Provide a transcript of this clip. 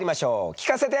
聞かせて。